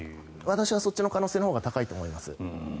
私はそっちの可能性のほうが高いと思います。